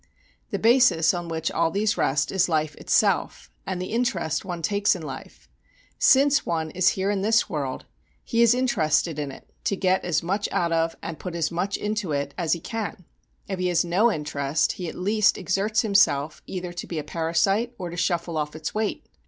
The basis on which all these rest is life itself, and the interest one takes in life. Since one is here in this world he is interested in it, to get as much out of and put as much into it as he can; if he has no interest he at least exerts himself either to be a parasite or to shuffle off its weight.